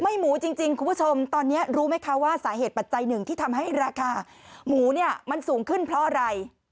หมูจริงคุณผู้ชมตอนนี้รู้ไหมคะว่าสาเหตุปัจจัยหนึ่งที่ทำให้ราคาหมูเนี่ยมันสูงขึ้นเพราะอะไร